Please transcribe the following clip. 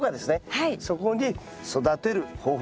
そこに育てる方法